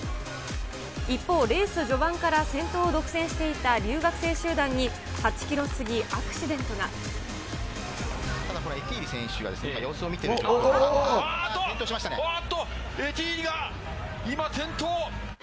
一方、レース序盤から先頭を独占していた留学生集団に８キロ過ぎ、ただこれ、エティーリ選手があっと、あっと、エティーリが今、転倒。